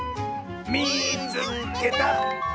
「みいつけた！」。